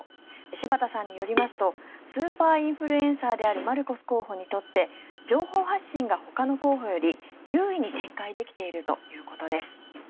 柴田さんによりますとスーパーインフルエンサーであるマルコス候補にとって情報発信がほかの候補より優位に展開できているということです。